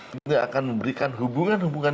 juga akan memberikan hubungan hubungan